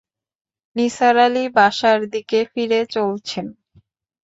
নিসার আলি বাসার দিকে ফিরে চলছেন।